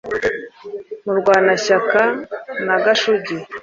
murwanashyaka na gashugi